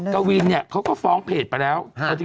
กวินเนี่ยเขาก็ฟ้องเพจไปแล้ว